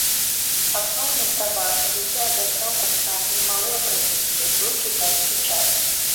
Асноўным таварам, які абяцаў купцам немалыя прыбыткі, быў кітайскі чай.